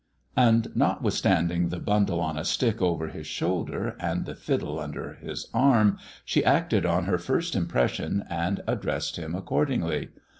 And notwithstanding the bundle on a stick over his shoulder, and the fiddle under his arm, she acted on her first impression and addressed him accordingly.